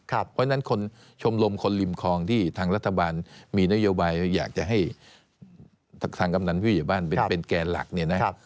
เพราะฉะนั้นคนชมรมคนริมคลองที่ทางรัฐบาลมีนโยบายอยากจะให้ทางกำนันผู้ใหญ่บ้านเป็นแกนหลักเนี่ยนะ